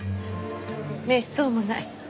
めっそうもない。